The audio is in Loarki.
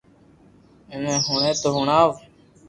ٿني ھوئي تو ھڻاو